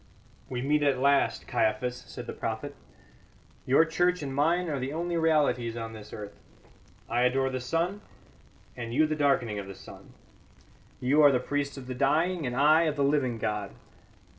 "We meet at last, Caiaphas," said the prophet. "Your church and mine are the only realities on this earth. I adore the sun, and you the darkening of the sun; you are the priest of the dying and I of the living God.